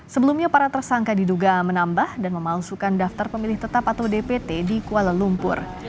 sebelumnya para tersangka diduga menambah dan memalsukan daftar pemilih tetap atau dpt di kuala lumpur